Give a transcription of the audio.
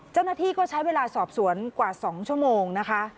เจ้าหน้าที่ก็ใช้เวลาสอบสวนกว่า๒ชั่วโมงนะคะ